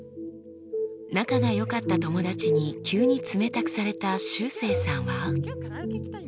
仲が良かった友達に急に冷たくされたしゅうせいさんは。